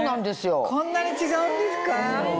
こんなに違うんですか？